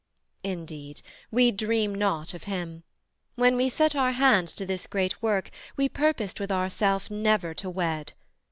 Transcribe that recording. Indeed, We dream not of him: when we set our hand To this great work, we purposed with ourself Never to wed.